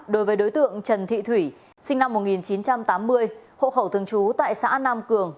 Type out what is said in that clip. đối với đối tượng trần thị thủy sinh năm một nghìn chín trăm tám mươi hộ khẩu thường trú tại xã nam cường